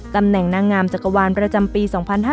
ตำแหน่งนางงามจักรวาลประจำปี๒๕๕๙